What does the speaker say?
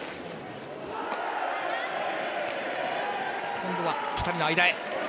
今度は２人の間へ。